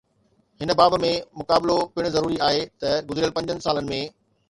هن باب ۾ مقابلو پڻ ضروري آهي ته گذريل پنجن سالن ۾